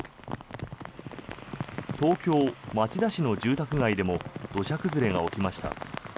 東京・町田市の住宅街でも土砂崩れが起きました。